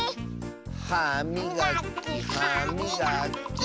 はみがき！